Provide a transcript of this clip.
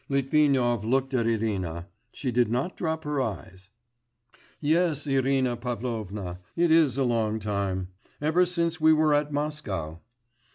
Litvinov looked at Irina; she did not drop her eyes. 'Yes, Irina Pavlovna, it is a long time ever since we were at Moscow.